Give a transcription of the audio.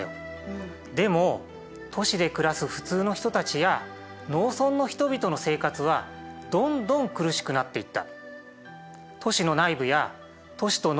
でも都市で暮らす普通の人たちや農村の人々の生活はどんどん苦しくなっていった。